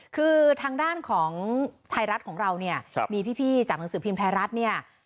คือทางด้านของท้ายรัฐของเรานี้